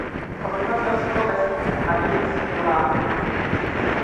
Obyvatelstvo vesnice Adi je sekulární.